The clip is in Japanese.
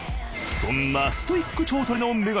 そんなストイック腸トレの女神